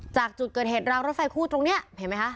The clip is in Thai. จากจุดเกิดเหตุรางรถไฟคู่ตรงนี้เห็นไหมคะ